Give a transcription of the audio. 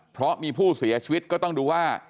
เพราะมีผู้เสียชีวิตก็ต้องดูว่า